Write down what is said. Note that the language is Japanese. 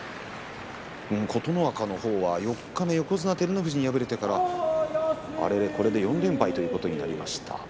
琴ノ若のほうは四日目横綱照ノ富士に敗れてからこれで４連敗ということになりました。